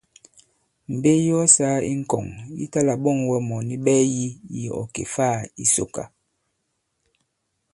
Mbe yi ɔ sāa i ŋkɔ̀ŋ yi ta-là-ɓɔ᷇ŋ wɛ mɔ̀ni ɓɛɛ yî yi ɔ kè-faā i Sòkà.